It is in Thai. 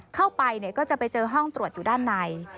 เข้าไปก็จะไปเจอห้องตรวจอยู่ด้านใน